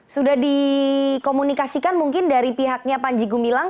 sudah dikomunikasikan mungkin dari pihaknya panji gumilang